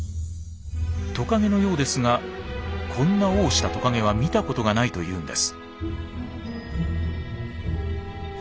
トカゲのようですがこんな尾をしたトカゲは見たことがないというんです。